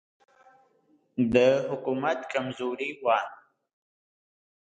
د حکومت کمزوري وه.